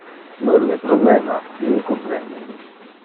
Nulle problema, io comprende.